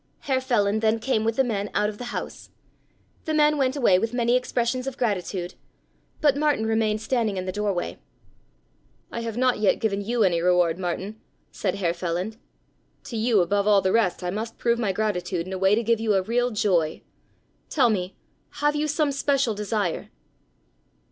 Herr Feland then came with the men out of the house. The men went away with many expressions of gratitude, but Martin remained standing in the doorway. "I have not yet given you any reward, Martin," said Herr Feland. "To you above all the rest I must prove my gratitude in a way to give you a real joy. Tell me, have you some special desire?"